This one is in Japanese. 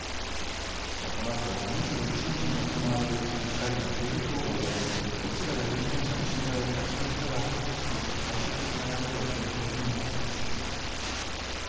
このあと、２１日に行われる２人のテレビ討論でどちらが有権者の信頼を勝ち取るかが選挙の最終的な流れを決めることになりそうです。